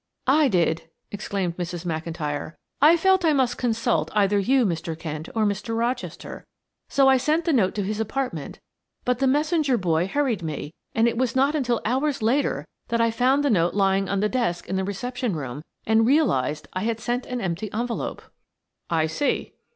"I did," exclaimed Mrs. McIntyre. "I felt I must consult either you, Mr. Kent, or Mr. Rochester, so I sent the note to his apartment, but the messenger boy hurried me, and it was not until hours later that I found the note lying on the desk in the reception room and realized I had sent an empty envelope." "I see."